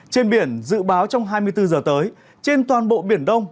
trên biển dự báo trong hai mươi bốn giờ tới trên toàn bộ biển đông